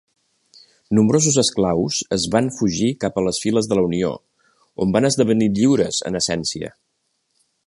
Nombrosos esclaus es van fugir cap a les files de la Unió, on van esdevenir lliures en essència.